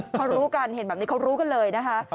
พอรู้กันเห็นแบบนี้เขารู้กันเลยนะคะ